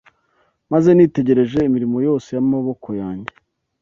Maze nitegereje imirimo yose y’amaboko yanjye